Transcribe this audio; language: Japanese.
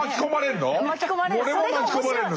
俺も巻き込まれるの？